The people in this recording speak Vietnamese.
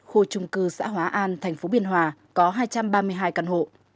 khu chung cư xã hóa an thành phố biên hòa có hai trăm ba mươi hai căn hộ